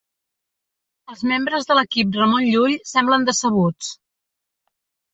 Els membres de l'equip Ramon Llull semblen decebuts.